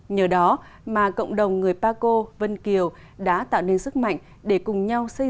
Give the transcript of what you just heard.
nhờ đó mà cộng đồng người paco vân kiều đã tạo nên sức mạnh để cùng nhau sống